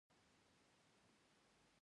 افغانستان پخوا هم د تجارت مرکز و.